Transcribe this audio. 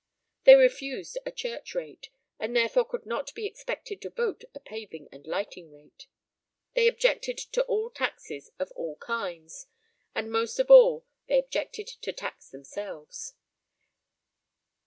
They refused a church rate, and therefore could not be expected to vote a paving and lighting rate. They objected to all taxes of all kinds, and most of all they objected to tax themselves.